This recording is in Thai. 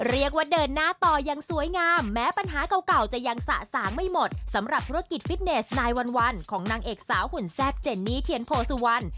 เรียกว่าเดินหน้าต่ออย่างสวยงามแม้ปัญหาเก่าจะยังสะสางไม่หมดสำหรับธุรกิจฟิตเนสไตล์วันของนางเอกสาวหุ่นแซ่บเจนนี่เทียนโพสุวรรณ